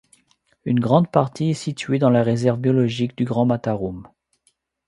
Une grande partie est située dans la réserve biologique du Grand Matarum.